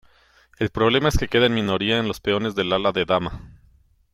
El problema es que queda en minoría en los peones del ala de dama.